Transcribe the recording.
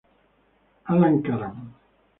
Alan Karam